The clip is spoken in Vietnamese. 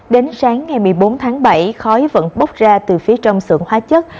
đến sáng ngày một mươi bốn tháng bảy khói vẫn bốc ra từ phía trong sưởng hóa chất